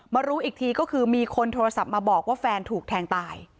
รู้อีกทีก็คือมีคนโทรศัพท์มาบอกว่าแฟนถูกแทงตาย